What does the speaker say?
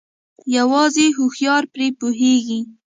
يوازې هوښيار پري پوهيږي